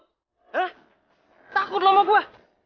hah takut lo sama gua